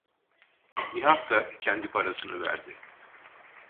Nihat da kendi parasını verdi.